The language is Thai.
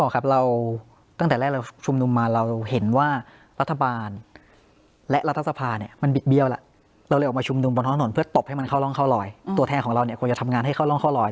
ของเราเนี่ยควรจะทำงานให้เข้าล่องเข้าลอย